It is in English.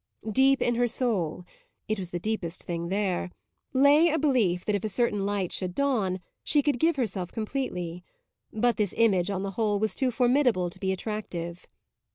Deep in her soul it was the deepest thing there lay a belief that if a certain light should dawn she could give herself completely; but this image, on the whole, was too formidable to be attractive.